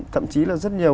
thậm chí là rất nhiều